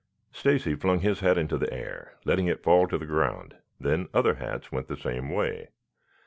Stacy flung his hat into the air, letting it fall to the ground, then other hats went the same way.